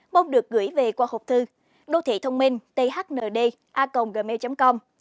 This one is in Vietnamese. mong được gửi về qua hộp thư đô thị thông minh thnd a gmail com